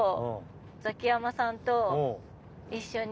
ザキヤマさんとうん。